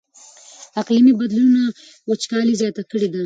اقلیمي بدلونونو وچکالي زیاته کړې ده.